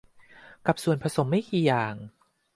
กับส่วนผสมไม่กี่อย่าง